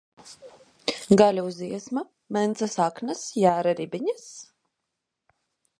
Gaļa uz iesma, mencas aknas, jēra ribiņas?